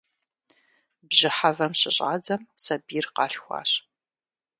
Бжьыхьэвэм щыщӏадзам сабийр къалъхуащ.